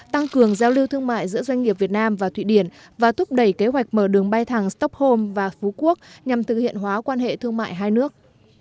tăng cường giao lưu thương mại giữa doanh nghiệp việt nam và thụy điển và thúc đẩy kế hoạch mở đường bay thẳng stockholm và phú quốc nhằm thực hiện hóa quan hệ thương mại hai nước